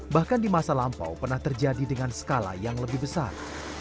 bahkan di masa lampau pernah terjadi dengan skala yang lebih besar